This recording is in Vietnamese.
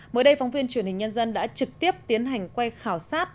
mới đây phóng viên truyền hình nhân dân đã trực tiếp tiến hành quay khảo sát